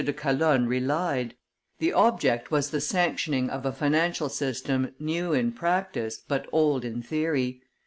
de Calonne relied; the object was the sanctioning of a financial system new in practice but old in theory.